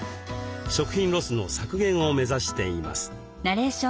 食品ロスの削減を目指しています。